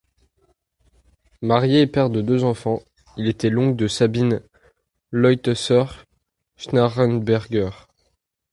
Marié et père de deux enfants, il était l'oncle de Sabine Leutheusser-Schnarrenberger.